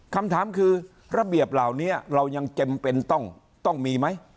คำถามคือระเบียบเหล่านี้เรายังจำเป็นต้องมีไหม